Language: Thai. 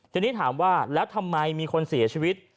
ทีนี้ถามว่าแล้วทำไมมีคนเสียชีวิต